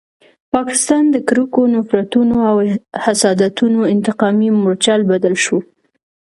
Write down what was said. پاکستان د کرکو، نفرتونو او حسادتونو انتقامي مورچل بدل شو.